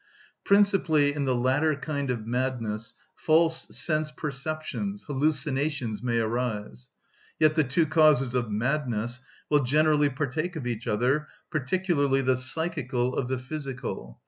Principally in the latter kind of madness false sense‐perceptions, hallucinations, may arise. Yet the two causes of madness will generally partake of each other, particularly the psychical of the physical.